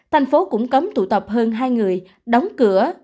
thành phố cũng cấm tụ tập hơn hai người đóng cửa